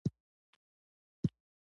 زما د کور په مخکې سړک ده